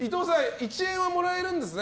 １円はもらえるんだね。